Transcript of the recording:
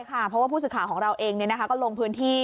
เพราะว่าผู้สื่อข่าวของเราเองก็ลงพื้นที่